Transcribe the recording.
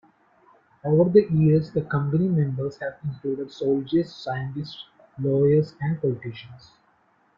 Over the years the Company members have included soldiers, scientists, lawyers and politicians.